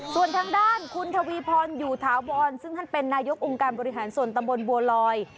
ส่วนทางด้านคุณทวีพรอยู่ถาวรซึ่งท่านเป็นนายกองค์การบริหารส่วนตำบลบัวลอย